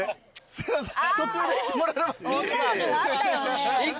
すいません。